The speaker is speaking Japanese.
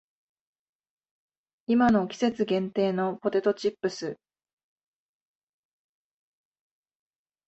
今の季節限定のポテトチップス